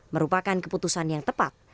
merupakan keputusan yang tepat